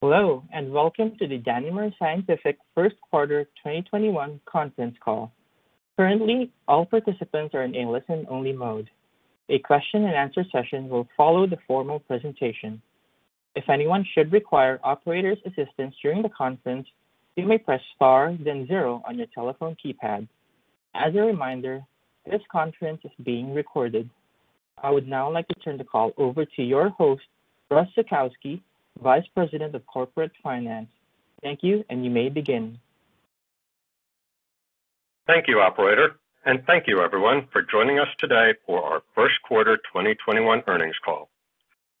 Hello, welcome to the Danimer Scientific first quarter 2021 conference call. Currently, all participants are in a listen-only mode. A question and answer session will follow the formal presentation. If anyone should require operator assistance during the conference, you may press star then zero on your telephone keypad. As a reminder, this conference is being recorded. I would now like to turn the call over to your host, Russ Zukowski, Vice President of Corporate Finance. Thank you may begin. Thank you, operator, and thank you, everyone, for joining us today for our first quarter 2021 earnings call.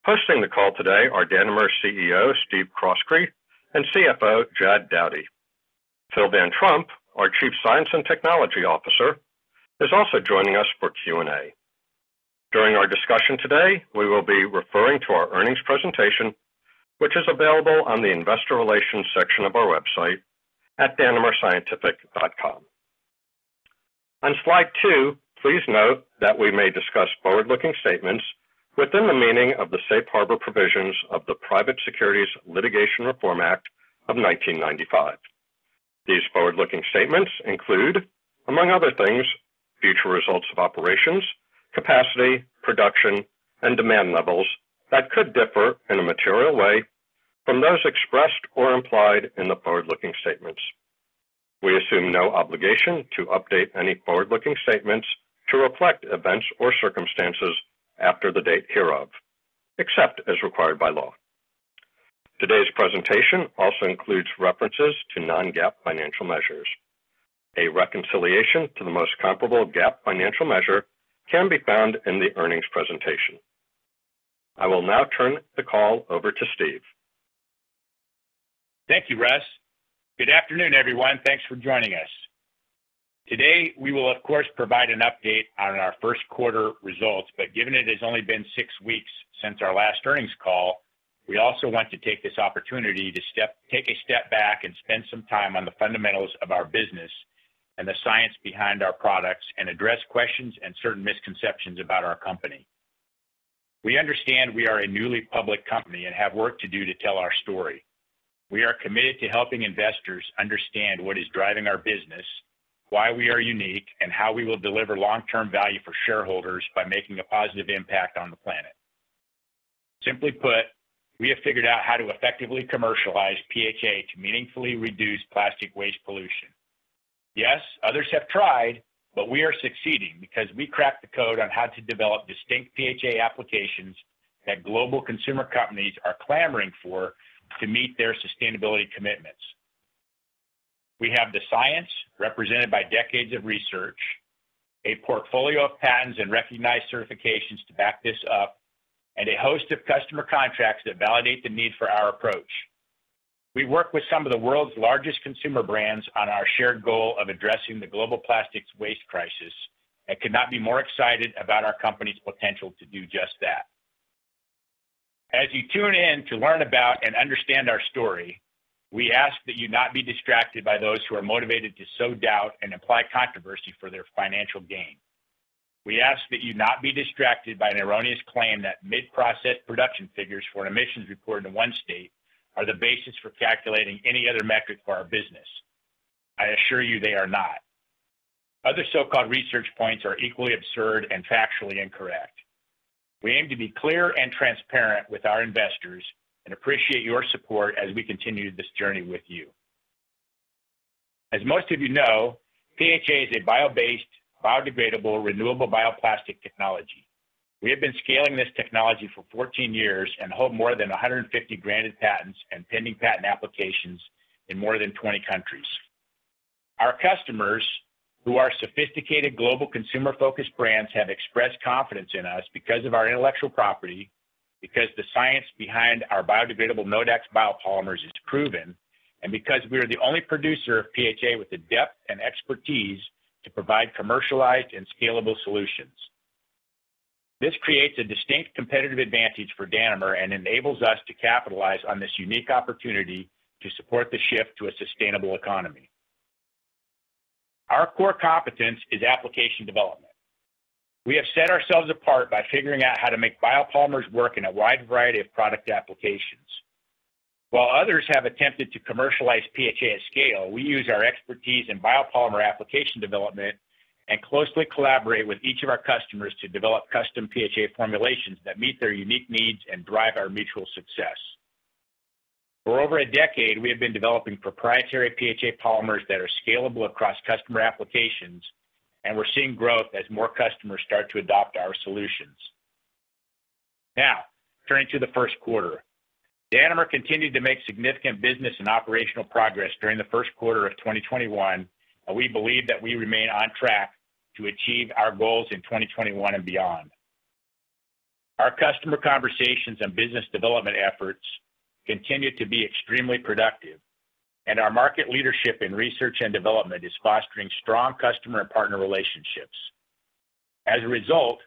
Hosting the call today are Danimer's CEO, Stephen Croskrey, and CFO, John Dowdy. Phillip Van Trump, our Chief Science and Technology Officer, is also joining us for Q&A. During our discussion today, we will be referring to our earnings presentation, which is available on the investor relations section of our website at danimerscientific.com. On slide two, please note that we may discuss forward-looking statements within the meaning of the Safe Harbor Provisions of the Private Securities Litigation Reform Act of 1995. These forward-looking statements include, among other things, future results of operations, capacity, production, and demand levels that could differ in a material way from those expressed or implied in the forward-looking statements. We assume no obligation to update any forward-looking statements to reflect events or circumstances after the date hereof, except as required by law. Today's presentation also includes references to non-GAAP financial measures. A reconciliation to the most comparable GAAP financial measure can be found in the earnings presentation. I will now turn the call over to Stephen. Thank you, Russ. Good afternoon, everyone. Thanks for joining us. Today, we will of course provide an update on our first quarter results, but given it has only been six weeks since our last earnings call, we also want to take this opportunity to take a step back and spend some time on the fundamentals of our business and the science behind our products and address questions and certain misconceptions about our company. We understand we are a newly public company and have work to do to tell our story. We are committed to helping investors understand what is driving our business, why we are unique, and how we will deliver long-term value for shareholders by making a positive impact on the planet. Simply put, we have figured out how to effectively commercialize PHA to meaningfully reduce plastic waste pollution. Yes, others have tried, but we are succeeding because we cracked the code on how to develop distinct PHA applications that global consumer companies are clamoring for to meet their sustainability commitments. We have the science represented by decades of research, a portfolio of patents and recognized certifications to back this up, and a host of customer contracts that validate the need for our approach. We work with some of the world's largest consumer brands on our shared goal of addressing the global plastics waste crisis and could not be more excited about our company's potential to do just that. As you tune in to learn about and understand our story, we ask that you not be distracted by those who are motivated to sow doubt and imply controversy for their financial gain. We ask that you not be distracted by an erroneous claim that mid-process production figures for emissions reported in one state are the basis for calculating any other metric for our business. I assure you they are not. Other so-called research points are equally absurd and factually incorrect. We aim to be clear and transparent with our investors and appreciate your support as we continue this journey with you. As most of you know, PHA is a bio-based, biodegradable, renewable bioplastic technology. We have been scaling this technology for 14 years and hold more than 150 granted patents and pending patent applications in more than 20 countries. Our customers, who are sophisticated global consumer-focused brands, have expressed confidence in us because of our intellectual property, because the science behind our biodegradable Nodax biopolymers is proven, and because we are the only producer of PHA with the depth and expertise to provide commercialized and scalable solutions. This creates a distinct competitive advantage for Danimer and enables us to capitalize on this unique opportunity to support the shift to a sustainable economy. Our core competence is application development. We have set ourselves apart by figuring out how to make biopolymers work in a wide variety of product applications. While others have attempted to commercialize PHA at scale, we use our expertise in biopolymer application development and closely collaborate with each of our customers to develop custom PHA formulations that meet their unique needs and drive our mutual success. For over a decade, we have been developing proprietary PHA polymers that are scalable across customer applications, and we're seeing growth as more customers start to adopt our solutions. Now, turning to the first quarter. Danimer continued to make significant business and operational progress during the first quarter of 2021, and we believe that we remain on track to achieve our goals in 2021 and beyond. Our customer conversations and business development efforts continue to be extremely productive, and our market leadership in research and development is fostering strong customer and partner relationships. As a result,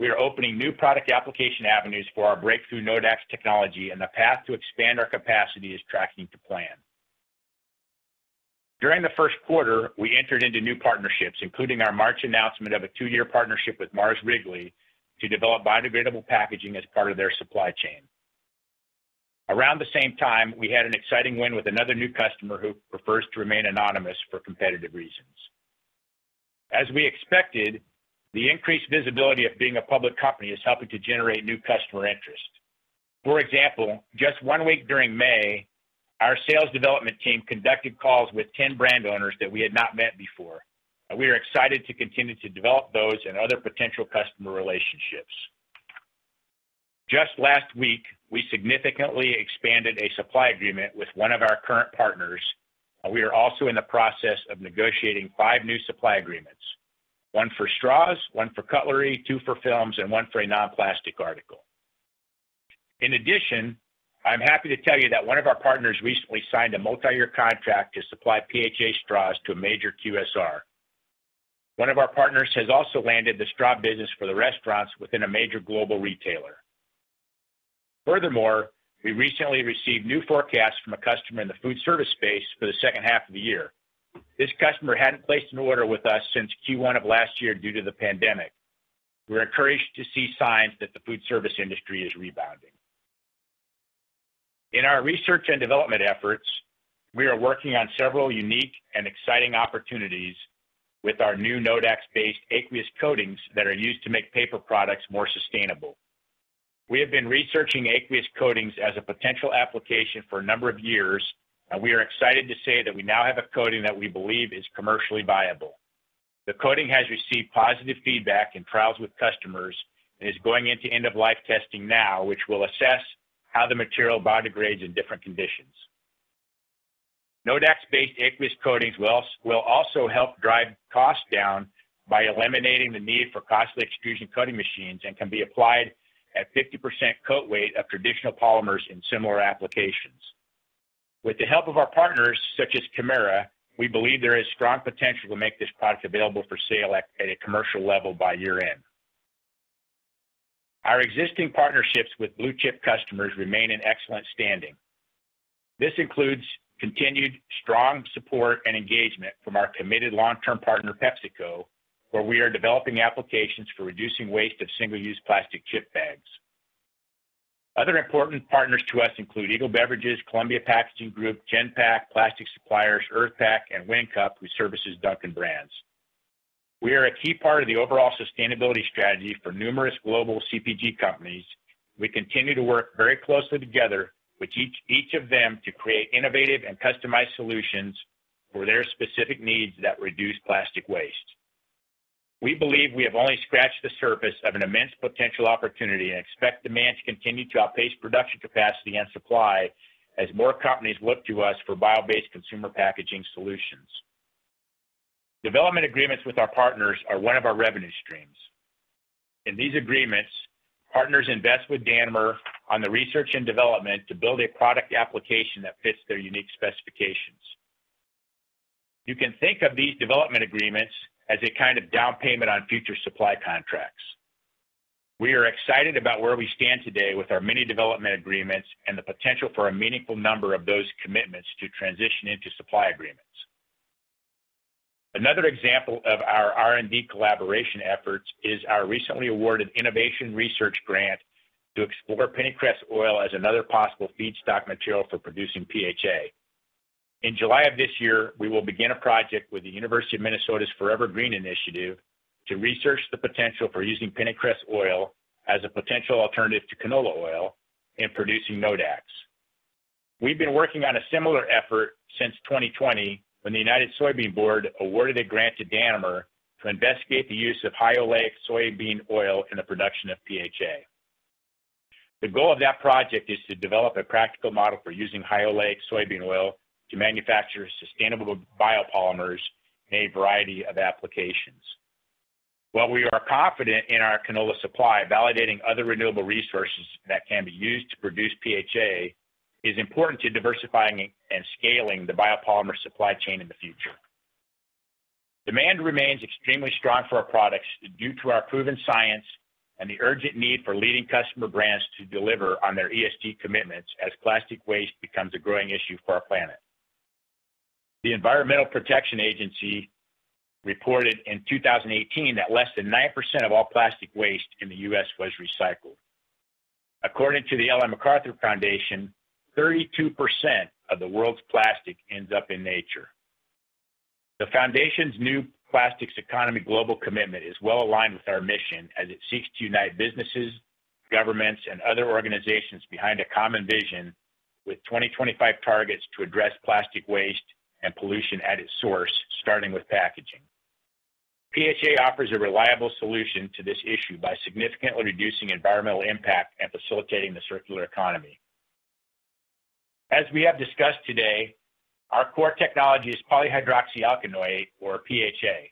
we are opening new product application avenues for our breakthrough Nodax technology, and the path to expand our capacity is tracking to plan. During the first quarter, we entered into new partnerships, including our March announcement of a two-year partnership with Mars Wrigley to develop biodegradable packaging as part of their supply chain. Around the same time, we had an exciting win with another new customer who prefers to remain anonymous for competitive reasons. As we expected, the increased visibility of being a public company is helping to generate new customer interest. For example, just one week during May, our sales development team conducted calls with 10 brand owners that we had not met before, and we are excited to continue to develop those and other potential customer relationships. Just last week, we significantly expanded a supply agreement with one of our current partners, and we are also in the process of negotiating five new supply agreements, one for straws, one for cutlery, two for films, and one for a non-plastic article. In addition, I'm happy to tell you that one of our partners recently signed a multi-year contract to supply PHA straws to a major QSR. One of our partners has also landed the straw business for the restaurants within a major global retailer. We recently received new forecasts from a customer in the food service space for the second half of the year. This customer hadn't placed an order with us since Q1 of last year due to the pandemic. We're encouraged to see signs that the food service industry is rebounding. In our research and development efforts, we are working on several unique and exciting opportunities with our new Nodax-based aqueous coatings that are used to make paper products more sustainable. We have been researching aqueous coatings as a potential application for a number of years, and we are excited to say that we now have a coating that we believe is commercially viable. The coating has received positive feedback in trials with customers and is going into end-of-life testing now, which will assess how the material biodegrades in different conditions. Nodax-based aqueous coatings will also help drive costs down by eliminating the need for costly extrusion coating machines and can be applied at 50% coat weight of traditional polymers in similar applications. With the help of our partners such as Kemira, we believe there is strong potential to make this product available for sale at a commercial level by year-end. Our existing partnerships with blue-chip customers remain in excellent standing. This includes continued strong support and engagement from our committed long-term partner, PepsiCo, where we are developing applications for reducing waste of single-use plastic chip bags. Other important partners to us include Eagle Beverages, Columbia Packaging Group, Genpak, Plastic Suppliers, UrthPact, and WinCup, who services Dunkin' Brands. We are a key part of the overall sustainability strategy for numerous global CPG companies. We continue to work very closely together with each of them to create innovative and customized solutions for their specific needs that reduce plastic waste. We believe we have only scratched the surface of an immense potential opportunity and expect demand to continue to outpace production capacity and supply as more companies look to us for bio-based consumer packaging solutions. Development agreements with our partners are one of our revenue streams. In these agreements, partners invest with Danimer on the research and development to build a product application that fits their unique specifications. You can think of these development agreements as a kind of down payment on future supply contracts. We are excited about where we stand today with our many development agreements and the potential for a meaningful number of those commitments to transition into supply agreements. Another example of our R&D collaboration efforts is our recently awarded innovation research grant to explore pennycress oil as another possible feedstock material for producing PHA. In July of this year, we will begin a project with the University of Minnesota's Forever Green Initiative to research the potential for using pennycress oil as a potential alternative to canola oil in producing Nodax. We've been working on a similar effort since 2020 when the United Soybean Board awarded a grant to Danimer to investigate the use of high oleic soybean oil in the production of PHA. The goal of that project is to develop a practical model for using high oleic soybean oil to manufacture sustainable biopolymers in a variety of applications. While we are confident in our canola supply, validating other renewable resources that can be used to produce PHA is important to diversifying and scaling the biopolymer supply chain in the future. Demand remains extremely strong for our products due to our proven science and the urgent need for leading customer brands to deliver on their ESG commitments as plastic waste becomes a growing issue for our planet. The Environmental Protection Agency reported in 2018 that less than 9% of all plastic waste in the U.S. was recycled. According to the Ellen MacArthur Foundation, 32% of the world's plastic ends up in nature. The foundation's New Plastics Economy Global Commitment is well-aligned with our mission as it seeks to unite businesses, governments, and other organizations behind a common vision with 2025 targets to address plastic waste and pollution at its source, starting with packaging. PHA offers a reliable solution to this issue by significantly reducing environmental impact and facilitating the circular economy. As we have discussed today, our core technology is polyhydroxyalkanoate, or PHA.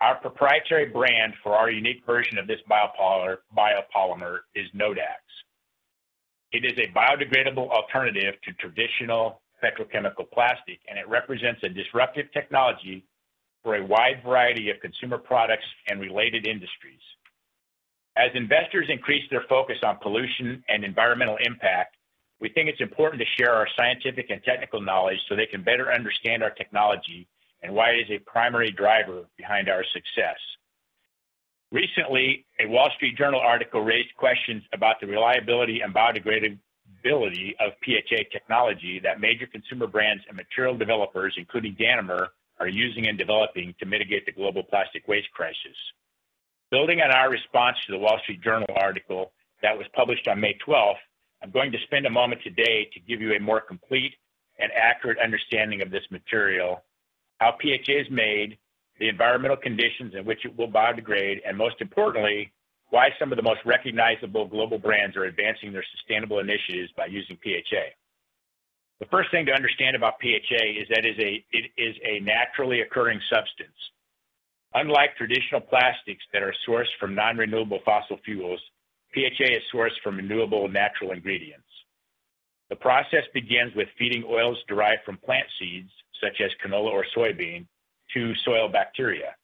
Our proprietary brand for our unique version of this biopolymer is Nodax. It is a biodegradable alternative to traditional petrochemical plastic, and it represents a disruptive technology for a wide variety of consumer products and related industries. As investors increase their focus on pollution and environmental impact, we think it's important to share our scientific and technical knowledge so they can better understand our technology and why it is a primary driver behind our success. Recently, a Wall Street Journal article raised questions about the reliability and biodegradability of PHA technology that major consumer brands and material developers, including Danimer, are using and developing to mitigate the global plastic waste crisis. Building on our response to the Wall Street Journal article that was published on May 12th, I'm going to spend a moment today to give you a more complete and accurate understanding of this material, how PHA is made, the environmental conditions in which it will biodegrade, and most importantly, why some of the most recognizable global brands are advancing their sustainable initiatives by using PHA. The first thing to understand about PHA is that it is a naturally occurring substance. Unlike traditional plastics that are sourced from non-renewable fossil fuels, PHA is sourced from renewable natural ingredients. The process begins with feeding oils derived from plant seeds, such as canola or soybean, to soil bacteria.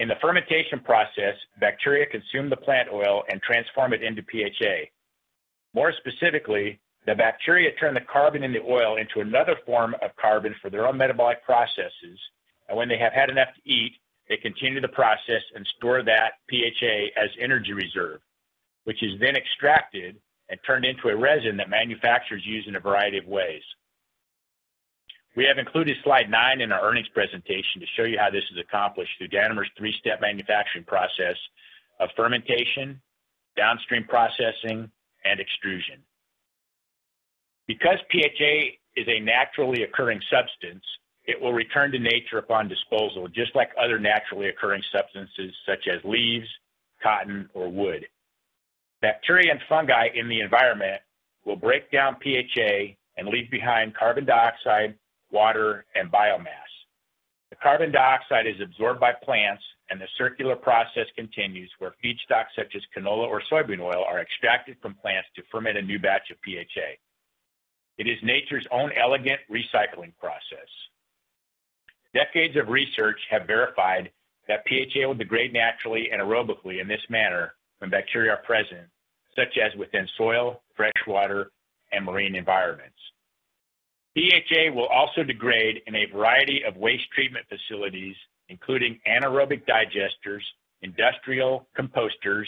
In the fermentation process, bacteria consume the plant oil and transform it into PHA. More specifically, the bacteria turn the carbon in the oil into another form of carbon for their own metabolic processes, and when they have had enough to eat, they continue the process and store that PHA as energy reserve, which is then extracted and turned into a resin that manufacturers use in a variety of ways. We have included slide nine in our earnings presentation to show you how this is accomplished through Danimer's three-step manufacturing process of fermentation, downstream processing, and extrusion. Because PHA is a naturally occurring substance, it will return to nature upon disposal, just like other naturally occurring substances such as leaves, cotton, or wood. Bacteria and fungi in the environment will break down PHA and leave behind carbon dioxide, water, and biomass. The carbon dioxide is absorbed by plants, and the circular process continues where feedstocks such as canola or soybean oil are extracted from plants to ferment a new batch of PHA. It is nature's own elegant recycling process. Decades of research have verified that PHA will degrade naturally and aerobically in this manner when bacteria are present, such as within soil, freshwater, and marine environments. PHA will also degrade in a variety of waste treatment facilities, including anaerobic digesters, industrial composters,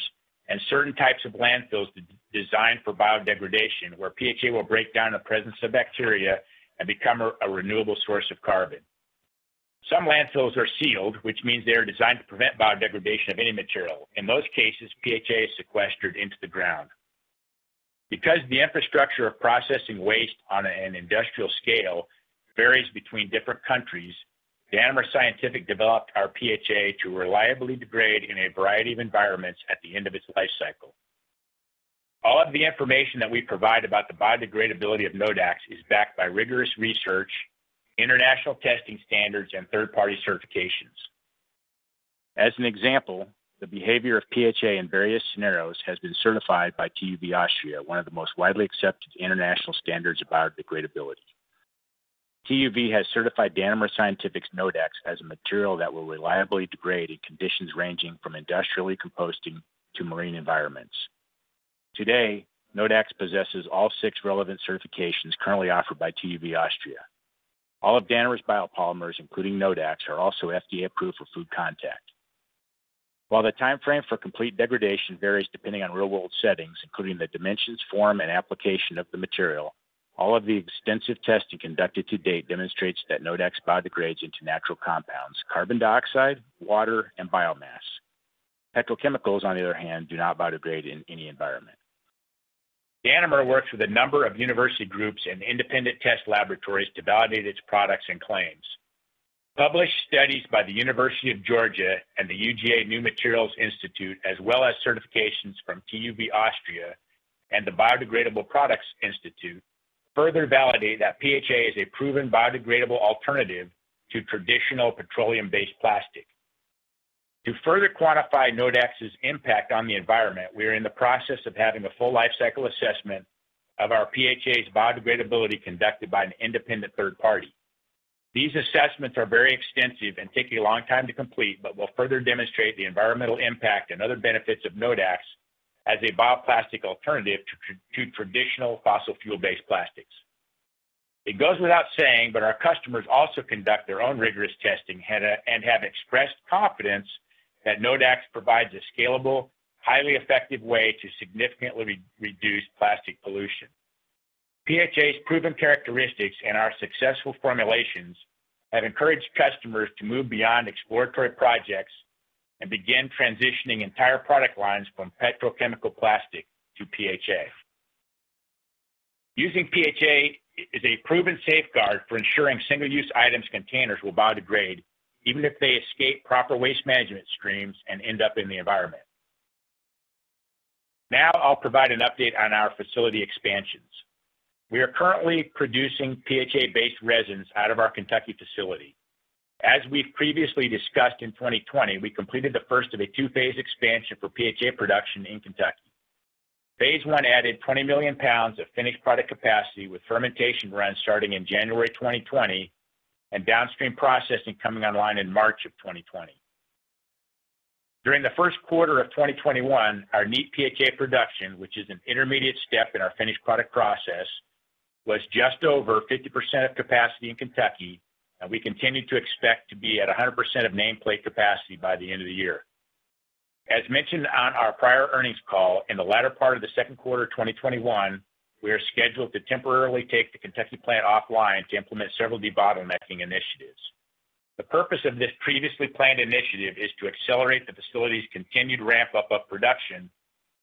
and certain types of landfills designed for biodegradation, where PHA will break down in the presence of bacteria and become a renewable source of carbon. Some landfills are sealed, which means they are designed to prevent biodegradation of any material. In most cases, PHA is sequestered into the ground. Because the infrastructure of processing waste on an industrial scale varies between different countries, Danimer Scientific developed our PHA to reliably degrade in a variety of environments at the end of its life cycle. All of the information that we provide about the biodegradability of Nodax is backed by rigorous research, international testing standards, and third-party certifications. As an example, the behavior of PHA in various scenarios has been certified by TÜV AUSTRIA, one of the most widely accepted international standards of biodegradability. TÜV has certified Danimer Scientific's Nodax as a material that will reliably degrade in conditions ranging from industrially composting to marine environments. Today, Nodax possesses all six relevant certifications currently offered by TÜV AUSTRIA. All of Danimer's biopolymers, including Nodax, are also FDA approved for food contact. While the timeframe for complete degradation varies depending on real-world settings, including the dimensions, form, and application of the material, all of the extensive testing conducted to date demonstrates that Nodax biodegrades into natural compounds, carbon dioxide, water, and biomass. Petrochemicals, on the other hand, do not biodegrade in any environment. Danimer works with a number of university groups and independent test laboratories to validate its products and claims. Published studies by the University of Georgia and the UGA New Materials Institute, as well as certifications from TÜV AUSTRIA and the Biodegradable Products Institute, further validate that PHA is a proven biodegradable alternative to traditional petroleum-based plastic. To further quantify Nodax's impact on the environment, we are in the process of having a full life cycle assessment of our PHA's biodegradability conducted by an independent third party. These assessments are very extensive and take a long time to complete, but will further demonstrate the environmental impact and other benefits of Nodax as a bioplastic alternative to traditional fossil fuel-based plastics. It goes without saying, but our customers also conduct their own rigorous testing and have expressed confidence that Nodax provides a scalable, highly effective way to significantly reduce plastic pollution. PHA's proven characteristics and our successful formulations have encouraged customers to move beyond exploratory projects and begin transitioning entire product lines from petrochemical plastic to PHA. Using PHA is a proven safeguard for ensuring single-use items and containers will biodegrade, even if they escape proper waste management streams and end up in the environment. Now I'll provide an update on our facility expansions. We are currently producing PHA-based resins out of our Kentucky facility. As we've previously discussed, in 2020, we completed the first of a two-phase expansion for PHA production in Kentucky. Phase I added 20 million pounds of finished product capacity with fermentation runs starting in January 2020 and downstream processing coming online in March of 2020. During the first quarter of 2021, our neat PHA production, which is an intermediate step in our finished product process, was just over 50% of capacity in Kentucky, and we continue to expect to be at 100% of nameplate capacity by the end of the year. As mentioned on our prior earnings call, in the latter part of the second quarter 2021, we are scheduled to temporarily take the Kentucky plant offline to implement several debottlenecking initiatives. The purpose of this previously planned initiative is to accelerate the facility's continued ramp-up of production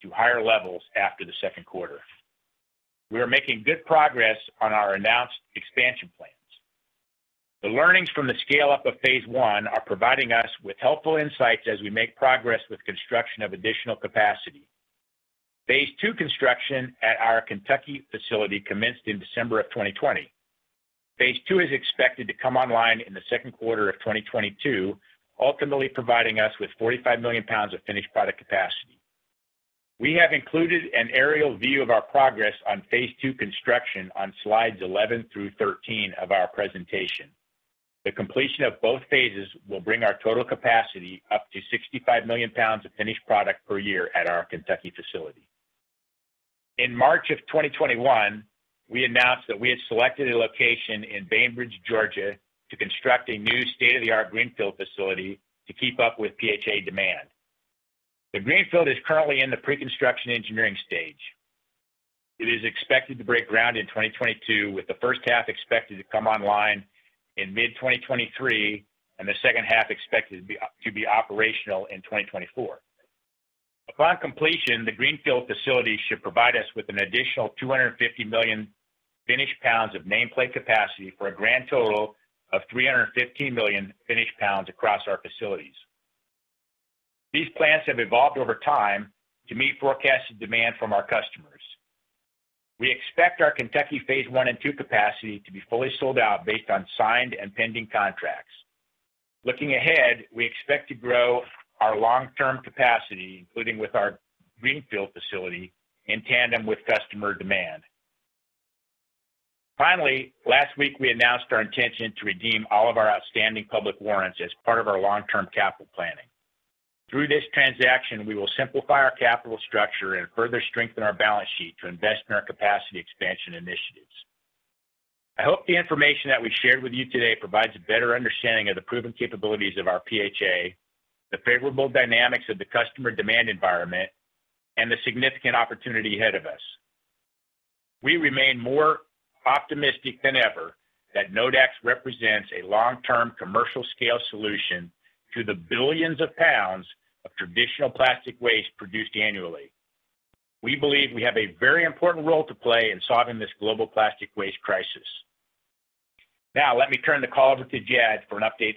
to higher levels after the second quarter. We are making good progress on our announced expansion plans. The learnings from the scale-up of phase I are providing us with helpful insights as we make progress with construction of additional capacity. Phase II construction at our Kentucky facility commenced in December of 2020. Phase II is expected to come online in the second quarter of 2022, ultimately providing us with 45 million pounds of finished product capacity. We have included an aerial view of our progress on phase II construction on slides 11 through 13 of our presentation. The completion of both phases will bring our total capacity up to 65 million pounds of finished product per year at our Kentucky facility. In March of 2021, we announced that we had selected a location in Bainbridge, Georgia, to construct a new state-of-the-art greenfield facility to keep up with PHA demand. The greenfield is currently in the pre-construction engineering stage. It is expected to break ground in 2022, with the first half expected to come online in mid-2023 and the second half expected to be operational in 2024. Upon completion, the greenfield facility should provide us with an additional 250 million finished pounds of nameplate capacity for a grand total of 315 million finished pounds across our facilities. These plans have evolved over time to meet forecasted demand from our customers. We expect our Kentucky phase I and II capacity to be fully sold out based on signed and pending contracts. Looking ahead, we expect to grow our long-term capacity, including with our greenfield facility, in tandem with customer demand. Finally, last week, we announced our intention to redeem all of our outstanding public warrants as part of our long-term capital planning. Through this transaction, we will simplify our capital structure and further strengthen our balance sheet to invest in our capacity expansion initiatives. I hope the information that we shared with you today provides a better understanding of the proven capabilities of our PHA, the favorable dynamics of the customer demand environment, and the significant opportunity ahead of us. We remain more optimistic than ever that Nodax represents a long-term commercial scale solution to the billions of pounds of traditional plastic waste produced annually. We believe we have a very important role to play in solving this global plastic waste crisis. Now, let me turn the call over to Jad for an update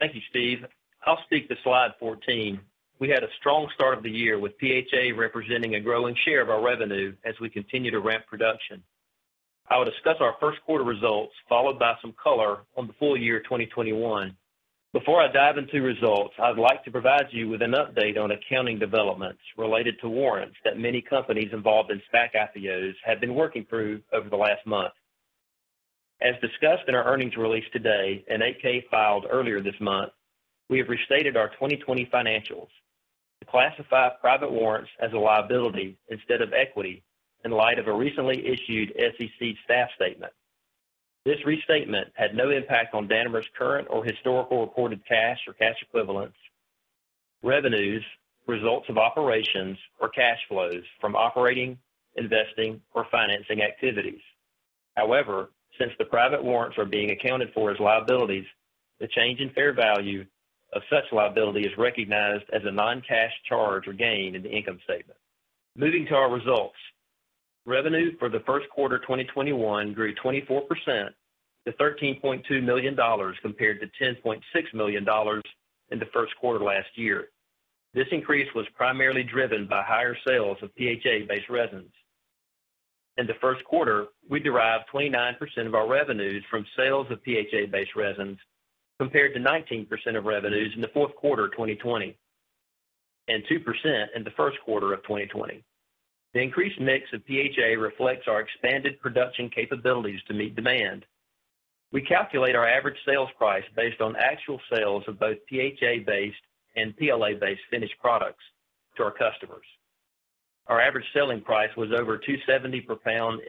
on our financial results. Thank you, Steve. I'll speak to slide 14. We had a strong start of the year with PHA representing a growing share of our revenue as we continue to ramp production. I will discuss our first quarter results, followed by some color on the full year 2021. Before I dive into results, I'd like to provide you with an update on accounting developments related to warrants that many companies involved in SPAC S-1s have been working through over the last month. As discussed in our earnings release today and 8-K filed earlier this month, we have restated our 2020 financials to classify private warrants as a liability instead of equity in light of a recently issued SEC staff statement. This restatement had no impact on Danimer's current or historical recorded cash or cash equivalents, revenues, results of operations or cash flows from operating, investing, or financing activities. However, since the private warrants are being accounted for as liabilities, the change in fair value of such liability is recognized as a non-cash charge or gain in the income statement. Moving to our results. Revenue for the first quarter 2021 grew 24% to $13.2 million compared to $10.6 million in the first quarter last year. This increase was primarily driven by higher sales of PHA-based resins. In the first quarter, we derived 29% of our revenues from sales of PHA-based resins, compared to 19% of revenues in the fourth quarter 2020, and 2% in the first quarter of 2020. The increased mix of PHA reflects our expanded production capabilities to meet demand. We calculate our average sales price based on actual sales of both PHA-based and PLA-based finished products to our customers. Our average selling price was over $2.70 per pound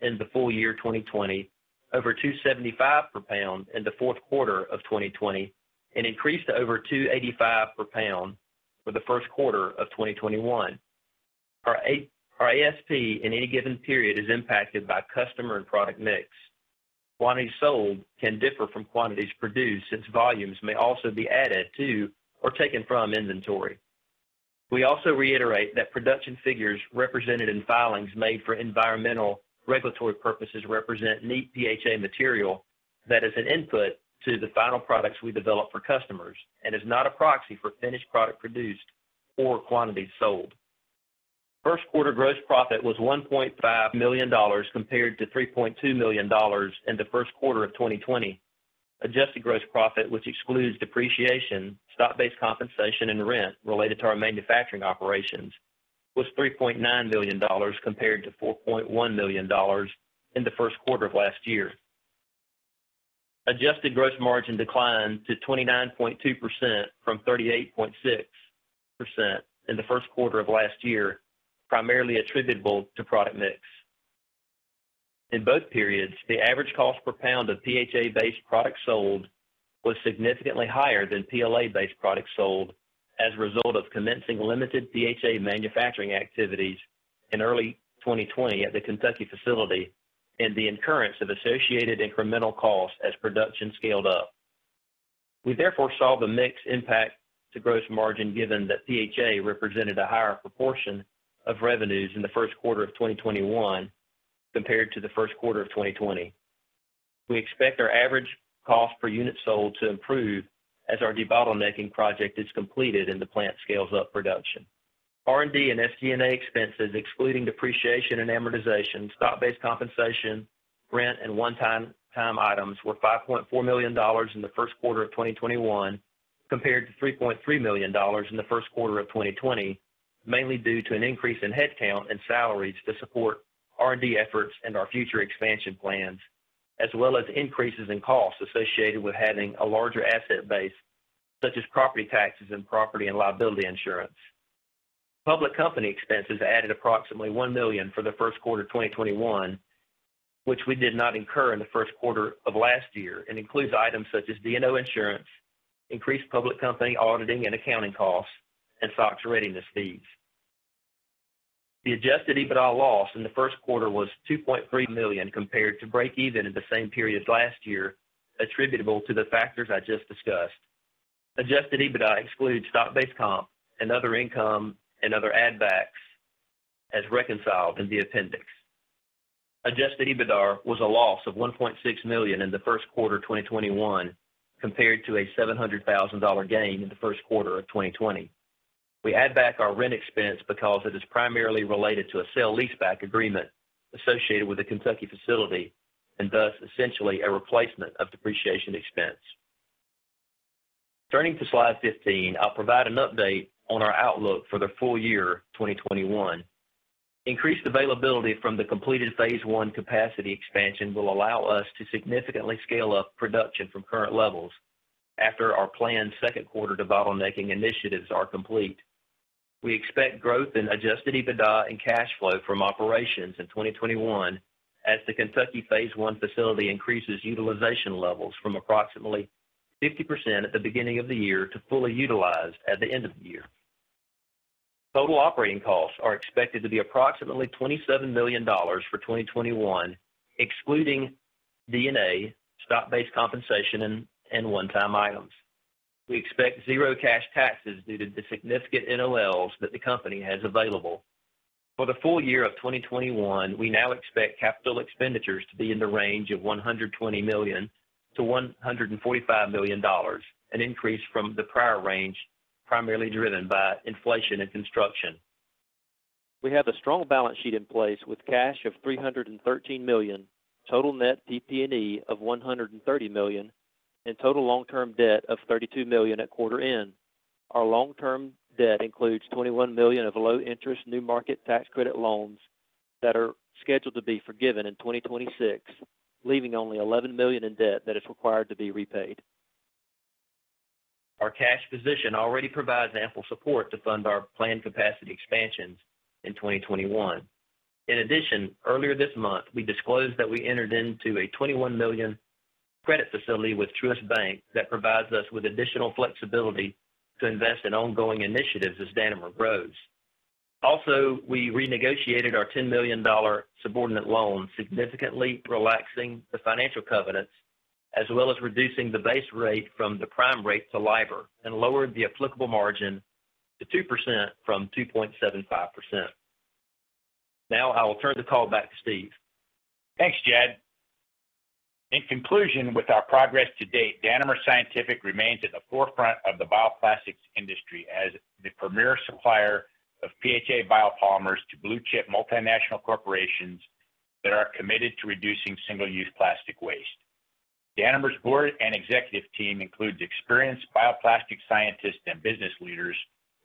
in the full year 2020, over $2.75 per pound in the fourth quarter of 2020, and increased to over $2.85 per pound for the first quarter of 2021. Our ASP in any given period is impacted by customer and product mix. Quantities sold can differ from quantities produced since volumes may also be added to or taken from inventory. We also reiterate that production figures represented in filings made for environmental regulatory purposes represent neat PHA material that is an input to the final products we develop for customers and is not a proxy for finished product produced or quantity sold. First quarter gross profit was $1.5 million compared to $3.2 million in the first quarter of 2020. Adjusted gross profit, which excludes depreciation, stock-based compensation, and rent related to our manufacturing operations, was $3.9 million compared to $4.1 million in the first quarter of last year. Adjusted gross margin declined to 29.2% from 38.6% in the first quarter of last year, primarily attributable to product mix. In both periods, the average cost per pound of PHA-based products sold was significantly higher than PLA-based products sold as a result of commencing limited PHA manufacturing activities in early 2020 at the Kentucky facility and the incurrence of associated incremental costs as production scaled up. We therefore saw the mix impact to gross margin given that PHA represented a higher proportion of revenues in the first quarter of 2021 compared to the first quarter of 2020. We expect our average cost per unit sold to improve as our debottlenecking project is completed and the plant scales up production. R&D and SG&A expenses, excluding depreciation and amortization, stock-based compensation, rent, and one-time items were $5.4 million in the first quarter of 2021 compared to $3.3 million in the first quarter of 2020, mainly due to an increase in headcount and salaries to support R&D efforts and our future expansion plans, as well as increases in costs associated with having a larger asset base, such as property taxes and property and liability insurance. Public company expenses added approximately $1 million for the first quarter of 2021, which we did not incur in the first quarter of last year and includes items such as D&O insurance, increased public company auditing and accounting costs, and SOX readiness fees. The adjusted EBITDA loss in the first quarter was $2.3 million compared to breakeven in the same period last year, attributable to the factors I just discussed. Adjusted EBITDA excludes stock-based comp and other income and other add backs as reconciled in the appendix. Adjusted EBITDA was a loss of $1.6 million in the first quarter of 2021 compared to a $700,000 gain in the first quarter of 2020. We add back our rent expense because it is primarily related to a sale leaseback agreement associated with the Kentucky facility and thus essentially a replacement of depreciation expense. Turning to slide 15, I'll provide an update on our outlook for the full year 2021. Increased availability from the completed phase one capacity expansion will allow us to significantly scale up production from current levels after our planned second quarter debottlenecking initiatives are complete. We expect growth in adjusted EBITDA and cash flow from operations in 2021 as the Kentucky phase one facility increases utilization levels from approximately 50% at the beginning of the year to fully utilized at the end of the year. Total operating costs are expected to be approximately $27 million for 2021, excluding D&A, stock-based compensation, and one-time items. We expect zero cash taxes due to the significant NOLs that the company has available. For the full year of 2021, we now expect capital expenditures to be in the range of $120 million-$145 million, an increase from the prior range, primarily driven by inflation in construction. We have a strong balance sheet in place with cash of $313 million, total net PP&E of $130 million, and total long-term debt of $32 million at quarter end. Our long-term debt includes $21 million of low-interest New Markets Tax Credit loans that are scheduled to be forgiven in 2026, leaving only $11 million in debt that is required to be repaid. In addition, earlier this month, we disclosed that we entered into a $21 million credit facility with Truist Bank that provides us with additional flexibility to invest in ongoing initiatives as Danimer grows. Also, we renegotiated our $10 million subordinate loan, significantly relaxing the financial covenants, as well as reducing the base rate from the prime rate to LIBOR and lowered the applicable margin to 2% from 2.75%. Now I will turn the call back to Stephen. Thanks, Jad. In conclusion, with our progress to date, Danimer Scientific remains at the forefront of the bioplastics industry as the premier supplier of PHA biopolymers to blue-chip multinational corporations that are committed to reducing single-use plastic waste. Danimer's board and executive team includes experienced bioplastic scientists and business leaders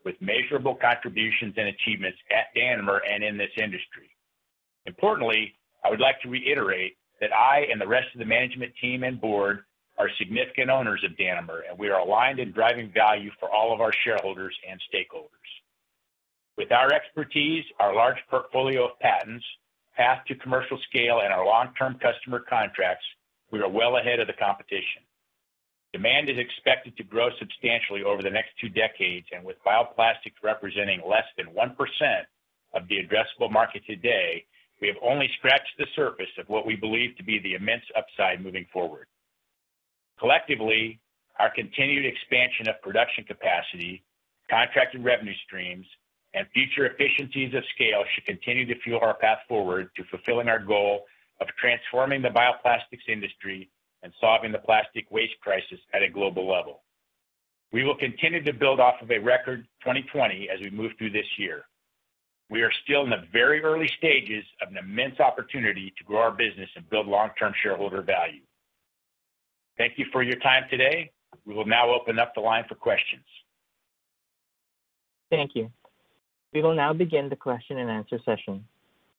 with measurable contributions and achievements at Danimer and in this industry. Importantly, I would like to reiterate that I and the rest of the management team and board are significant owners of Danimer, and we are aligned in driving value for all of our shareholders and stakeholders. With our expertise, our large portfolio of patents, path to commercial scale, and our long-term customer contracts, we are well ahead of the competition. Demand is expected to grow substantially over the next two decades, and with bioplastics representing less than 1% of the addressable market today, we have only scratched the surface of what we believe to be the immense upside moving forward. Collectively, our continued expansion of production capacity, contracted revenue streams, and future efficiencies of scale should continue to fuel our path forward to fulfilling our goal of transforming the bioplastics industry and solving the plastic waste crisis at a global level. We will continue to build off of a record 2020 as we move through this year. We are still in the very early stages of an immense opportunity to grow our business and build long-term shareholder value. Thank you for your time today. We will now open up the line for questions. Thank you. We will now begin the question and answer session.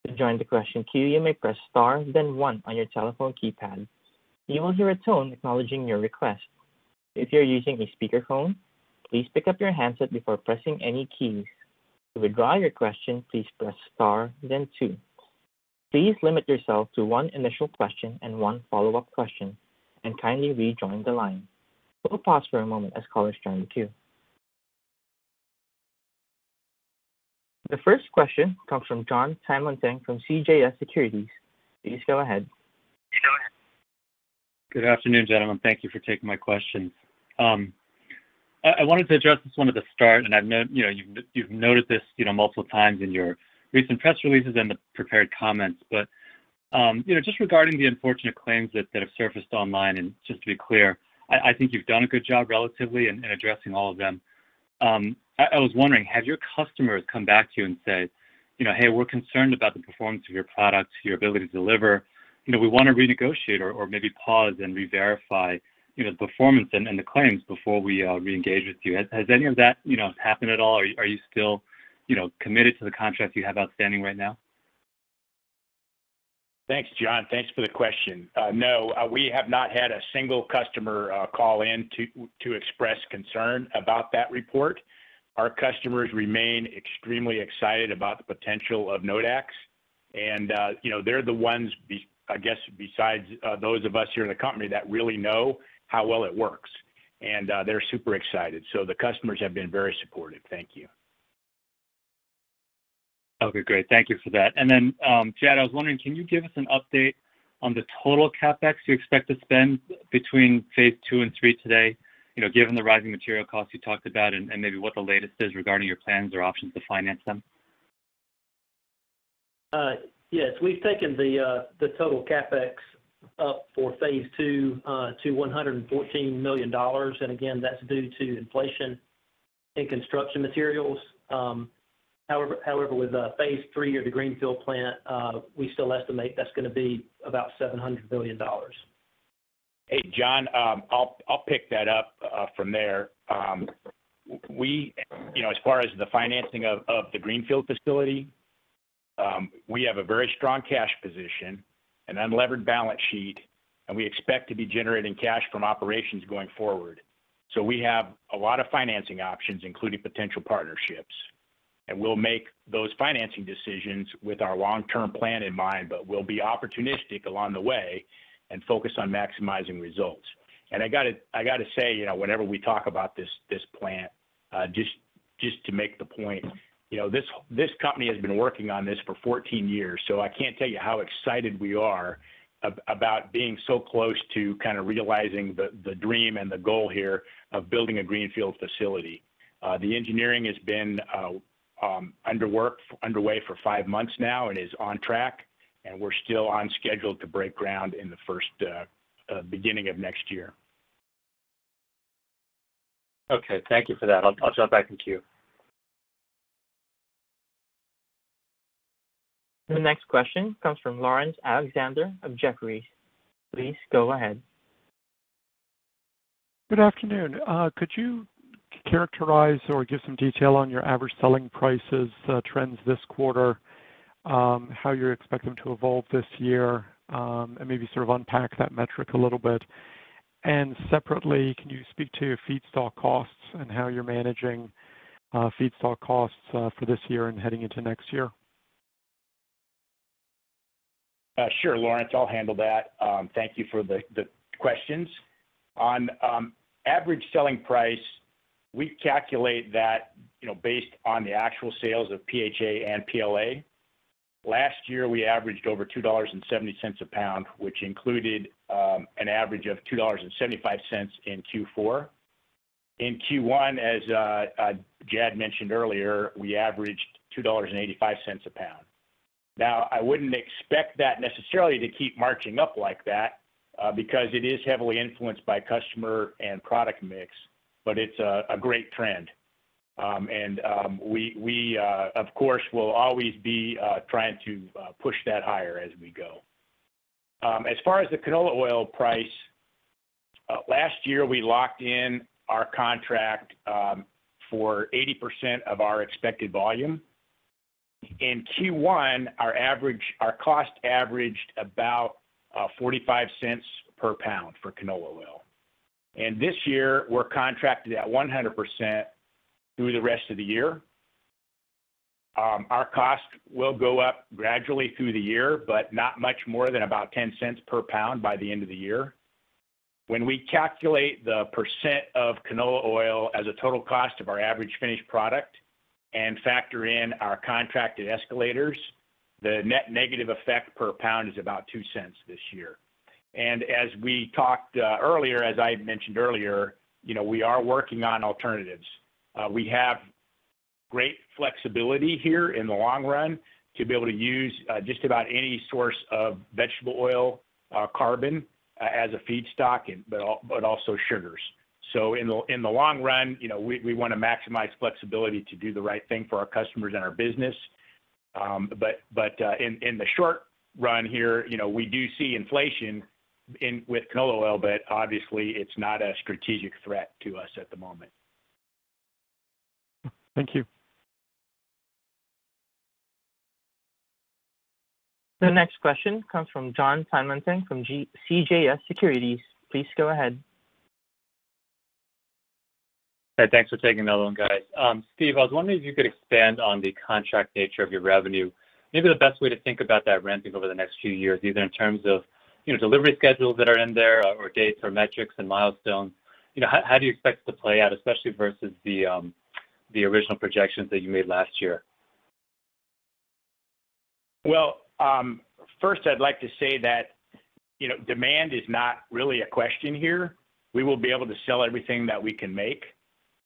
To join the question queue you may press star then one on your telephone keypad, wait as we process your request, if you're using a speakerphone, please pick up your handset before pressing any key, to withdraw your question please press star then two, please limit your question to one initia question and one follow-up. Kindly wait back on the line. The first question comes from Jon Tanwanteng from CJS Securities. Please go ahead. Good afternoon, gentlemen. Thank you for taking my questions. I wanted to address this one at the start, and I know you've noted this multiple times in your recent press releases and the prepared comments, but just regarding the unfortunate claims that have surfaced online, and just to be clear, I think you've done a good job relatively in addressing all of them. I was wondering, have your customers come back to you and said, "Hey, we're concerned about the performance of your product, your ability to deliver. We want to renegotiate or maybe pause and reverify performance and the claims before we reengage with you"? Has any of that happened at all? Are you still committed to the contracts you have outstanding right now? Thanks, Jon. Thanks for the question. No, we have not had a single customer call in to express concern about that report. Our customers remain extremely excited about the potential of Nodax. They're the ones, I guess, besides those of us here in the company, that really know how well it works, and they're super excited. The customers have been very supportive. Thank you. Okay, great. Thank you for that. Jad, I was wondering, can you give us an update on the total CapEx you expect to spend between phase II and III today, given the rising material costs you talked about and maybe what the latest is regarding your plans or options to finance them? Yes. We've taken the total CapEx up for phase II to $114 million. Again, that's due to inflation in construction materials. However, with phase III or the greenfield plant, we still estimate that's going to be about $700 million. Hey, Jon, I'll pick that up from there. As far as the financing of the greenfield facility, we have a very strong cash position, an unlevered balance sheet. We expect to be generating cash from operations going forward. We have a lot of financing options, including potential partnerships. We'll make those financing decisions with our long-term plan in mind. We'll be opportunistic along the way and focus on maximizing results. I got to say, whenever we talk about this plant, just to make the point, this company has been working on this for 14 years. I can't tell you how excited we are about being so close to realizing the dream and the goal here of building a greenfield facility. The engineering has been underway for five months now and is on track. We're still on schedule to break ground in the beginning of next year. Okay. Thank you for that. I'll drop back in queue. The next question comes from Laurence Alexander of Jefferies. Please go ahead. Good afternoon. Could you characterize or give some detail on your average selling prices trends this quarter, how you're expecting to evolve this year, and maybe sort of unpack that metric a little bit? Separately, can you speak to your feedstock costs and how you're managing feedstock costs for this year and heading into next year? Sure, Laurence, I'll handle that. Thank you for the questions. On average selling price, we calculate that based on the actual sales of PHA and PLA. Last year, we averaged over $2.70 a pound, which included an average of $2.75 in Q4. In Q1, as Jad mentioned earlier, we averaged $2.85 a pound. I wouldn't expect that necessarily to keep marching up like that because it is heavily influenced by customer and product mix, but it's a great trend, and we, of course, will always be trying to push that higher as we go. As far as the canola oil price, last year we locked in our contract for 80% of our expected volume. In Q1, our cost averaged about $0.45 per pound for canola oil. This year, we're contracted at 100% through the rest of the year. Our cost will go up gradually through the year, but not much more than about $0.10 per pound by the end of the year. When we calculate the % of canola oil as a total cost of our average finished product and factor in our contracted escalators, the net negative effect per pound is about $0.02 this year. As we talked earlier, as I had mentioned earlier, we are working on alternatives. We have great flexibility here in the long run to be able to use just about any source of vegetable oil carbon as a feedstock, but also sugars. In the long run, we want to maximize flexibility to do the right thing for our customers and our business. In the short run here, we do see inflation with canola oil, but obviously it's not a strategic threat to us at the moment. Thank you. The next question comes from Jon Tanwanteng from CJS Securities. Please go ahead. Thanks for taking that one, guys. Stephen, I was wondering if you could expand on the contract nature of your revenue, maybe the best way to think about that ramping over the next few years, either in terms of delivery schedules that are in there or dates or metrics and milestones. How do you expect it to play out, especially versus the original projections that you made last year? Well, first I'd like to say that demand is not really a question here.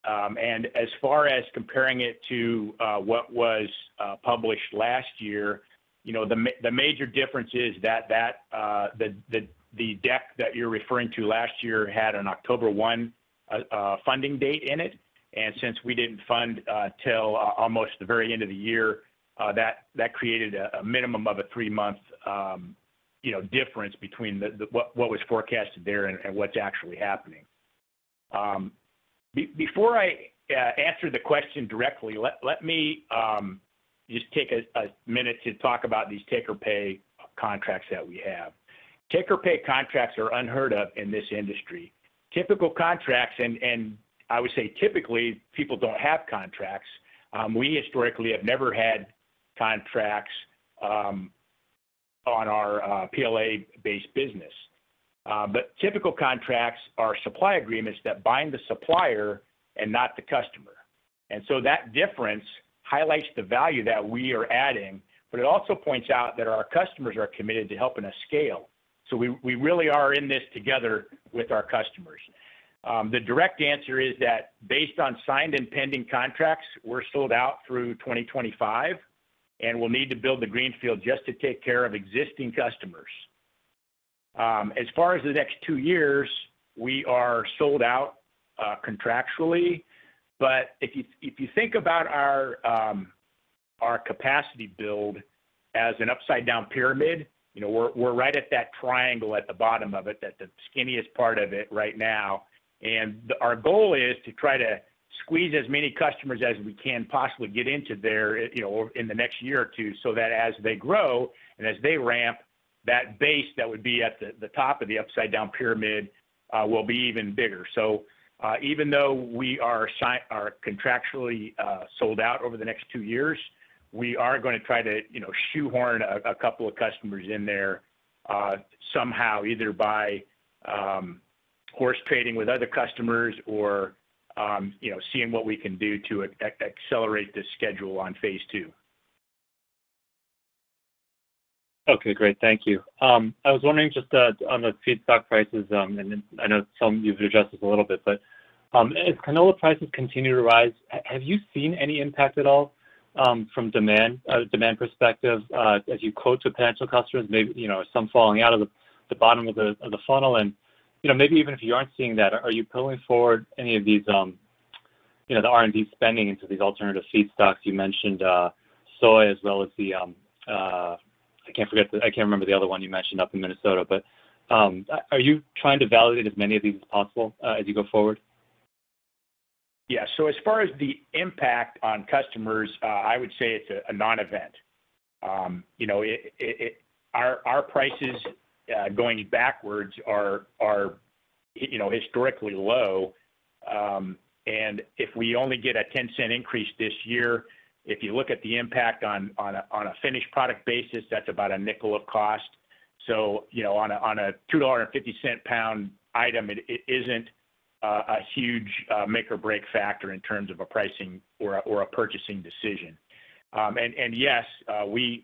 As far as comparing it to what was published last year, the major difference is that the deck that you're referring to last year had an October 1 funding date in it. Since we didn't fund till almost the very end of the year, that created a minimum of a three month difference between what was forecasted there and what's actually happening. Before I answer the question directly, let me just take a minute to talk about these take-or-pay contracts that we have. Take-or-pay contracts are unheard of in this industry. Typical contracts, and I would say typically, people don't have contracts. We historically have never had contracts on our PLA-based business. Typical contracts are supply agreements that bind the supplier and not the customer. That difference highlights the value that we are adding, but it also points out that our customers are committed to helping us scale. We really are in this together with our customers. The direct answer is that based on signed and pending contracts, we're sold out through 2025, and we'll need to build a greenfield just to take care of existing customers. As far as the next two years, we are sold out contractually, but if you think about our capacity build as an upside-down pyramid, we're right at that triangle at the bottom of it, at the skinniest part of it right now. Our goal is to try to squeeze as many customers as we can possibly get into there in the next year or two, so that as they grow and as they ramp, that base that would be at the top of the upside-down pyramid will be even bigger. Even though we are contractually sold out over the next two years, we are going to try to shoehorn a couple of customers in there somehow, either by horse trading with other customers or seeing what we can do to accelerate the schedule on phase II. Okay, great. Thank you. I was wondering just on the feedstock prices, and I know some of you have addressed this a little bit, but as canola prices continue to rise, have you seen any impact at all from a demand perspective as you quote to potential customers, maybe some falling out of the bottom of the funnel? Maybe even if you aren't seeing that, are you pulling forward any of the R&D spending into these alternative feedstocks? You mentioned soy as well as the, I can't remember the other one you mentioned up in Minnesota, but are you trying to validate as many of these as possible as you go forward? Yeah. As far as the impact on customers, I would say it's a non-event. Our prices going backwards are historically low, and if we only get a $0.10 increase this year, if you look at the impact on a finished product basis, that's about a $0.05 of cost. On a $2.50 pound item, it isn't a huge make or break factor in terms of a pricing or a purchasing decision. Yes, I would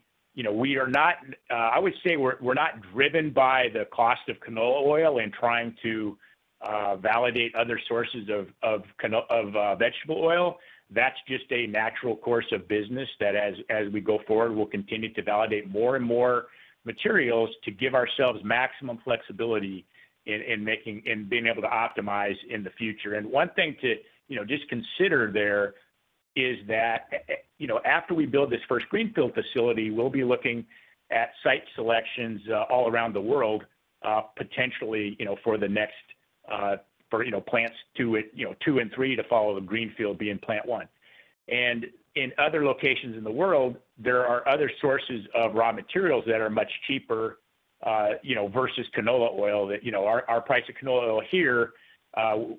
say we're not driven by the cost of canola oil and trying to validate other sources of vegetable oil. That's just a natural course of business that as we go forward, we'll continue to validate more and more materials to give ourselves maximum flexibility in being able to optimize in the future. One thing to just consider there is that after we build this first greenfield facility, we'll be looking at site selections all around the world, potentially for plants two and three to follow the greenfield being plant one. In other locations in the world, there are other sources of raw materials that are much cheaper versus canola oil. Our price of canola oil here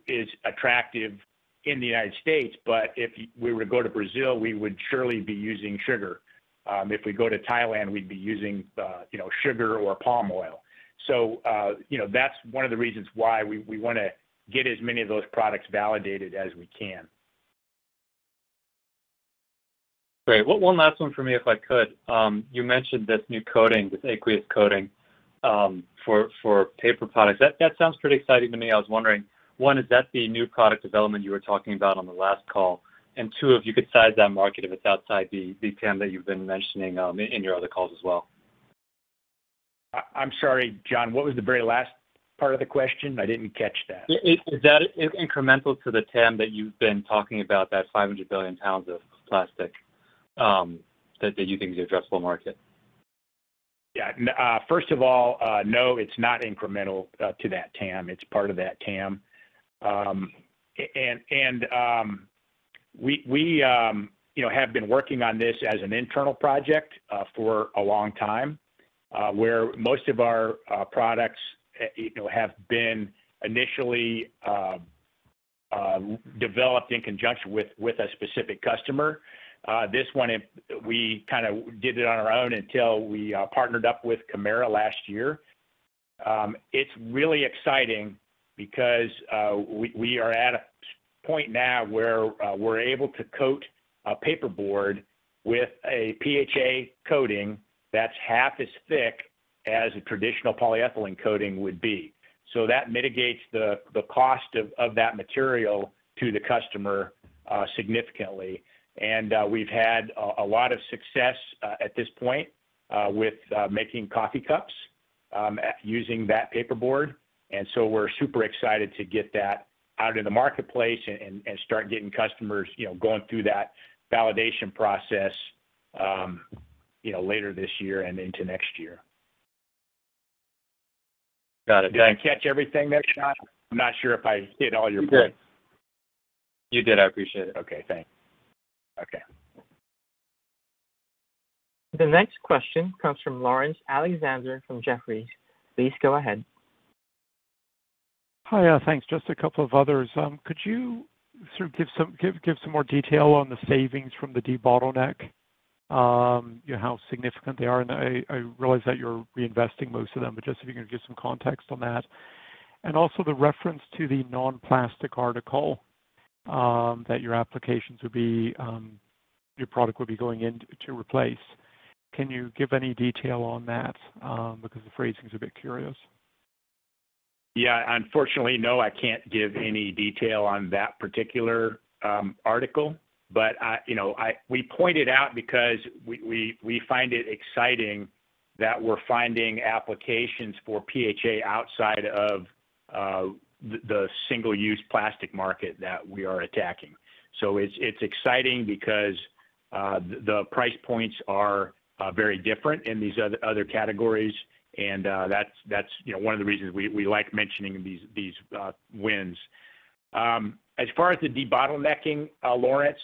is attractive in the United States, but if we were to go to Brazil, we would surely be using sugar. If we go to Thailand, we'd be using sugar or palm oil. That's one of the reasons why we want to get as many of those products validated as we can. Great. One last one for me, if I could. You mentioned this new coating, this aqueous coating, for paper products. That sounds pretty exciting to me. I was wondering, one, is that the new product development you were talking about on the last call? Two, if you could size that market, if it's outside the TAM that you've been mentioning in your other calls as well. I'm sorry, Jon, what was the very last part of the question? I didn't catch that. Is that incremental to the TAM that you've been talking about, that 500 billion pounds of plastic that you think is addressable market? First of all, no, it's not incremental to that TAM. It's part of that TAM. We have been working on this as an internal project for a long time, where most of our products have been initially developed in conjunction with a specific customer. This one, we did it on our own until we partnered up with Kemira last year. It's really exciting because we are at a point now where we're able to coat a paper board with a PHA coating that's half as thick as a traditional polyethylene coating would be. That mitigates the cost of that material to the customer significantly. We've had a lot of success at this point with making coffee cups using that paper board. We're super excited to get that out in the marketplace and start getting customers going through that validation process later this year and into next year. Got it. Did I catch everything there, Jon? I'm not sure if I hit all your points. You did. You did. I appreciate it. Okay, thanks. Okay. The next question comes from Laurence Alexander from Jefferies. Please go ahead. Hi. Thanks. Just a couple of others. Could you sort of give some more detail on the savings from the debottleneck? How significant they are? I realize that you're reinvesting most of them, but just if you can give some context on that. Also the reference to the non-plastic article that your product will be going in to replace. Can you give any detail on that? Because the phrasing's a bit curious. Unfortunately, no, I can't give any detail on that particular article. We point it out because we find it exciting that we're finding applications for PHA outside of the single-use plastic market that we are attacking. It's exciting because the price points are very different in these other categories, and that's one of the reasons we like mentioning these wins. As far as the debottlenecking, Laurence,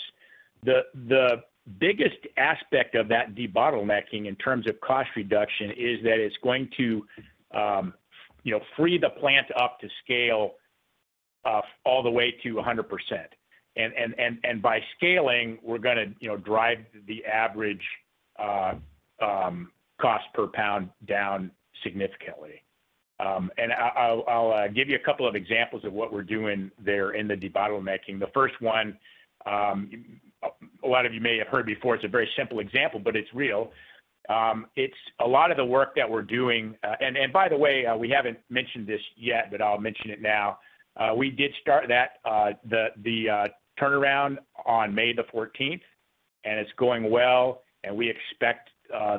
the biggest aspect of that debottlenecking in terms of cost reduction is that it's going to free the plant up to scale all the way to 100%. By scaling, we're going to drive the average cost per pound down significantly. I'll give you a couple of examples of what we're doing there in the debottlenecking. The first one, a lot of you may have heard before, it's a very simple example, but it's real. It's a lot of the work that we're doing. By the way, we haven't mentioned this yet, but I'll mention it now. We did start the turnaround on May the 14th, and it's going well, and we expect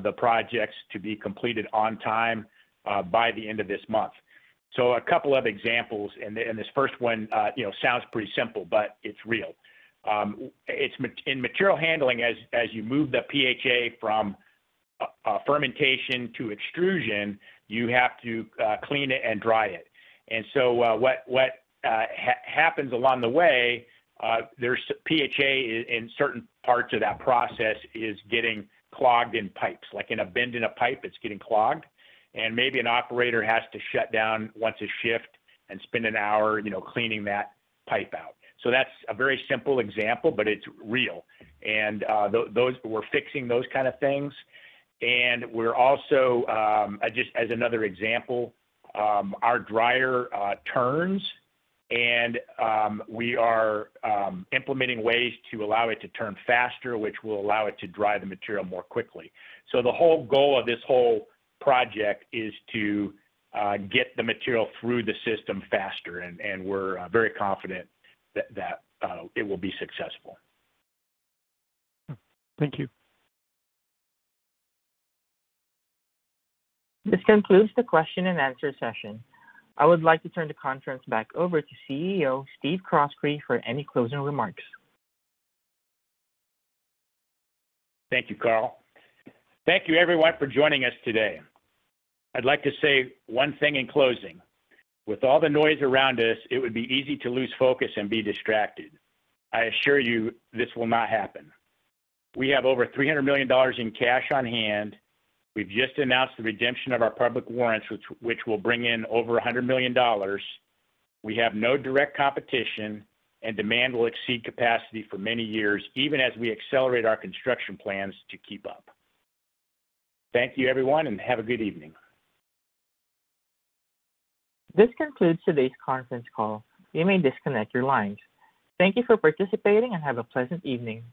the projects to be completed on time by the end of this month. A couple of examples. This first one sounds pretty simple, but it's real. In material handling, as you move the PHA from fermentation to extrusion, you have to clean it and dry it. What happens along the way, there's PHA in certain parts of that process is getting clogged in pipes, like in a bend in a pipe, it's getting clogged, and maybe an operator has to shut down once a shift and spend an hour cleaning that pipe out. That's a very simple example, but it's real, and we're fixing those kind of things. We're also, as another example, our dryer turns, and we are implementing ways to allow it to turn faster, which will allow it to dry the material more quickly. The whole goal of this whole project is to get the material through the system faster, and we're very confident that it will be successful. Thank you. This concludes the question and answer session. I would like to turn the conference back over to CEO, Stephen Croskrey, for any closing remarks. Thank you, Carl. Thank you everyone for joining us today. I'd like to say one thing in closing. With all the noise around us, it would be easy to lose focus and be distracted. I assure you this will not happen. We have over $300 million in cash on hand. We've just announced the redemption of our public warrants, which will bring in over $100 million. We have no direct competition, and demand will exceed capacity for many years, even as we accelerate our construction plans to keep up. Thank you everyone, and have a good evening. This concludes today's conference call. You may disconnect your lines. Thank you for participating and have a pleasant evening.